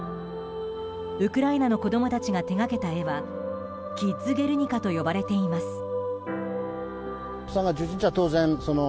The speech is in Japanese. ウクライナの子供たちが手がけた絵は「キッズゲルニカ」と呼ばれています。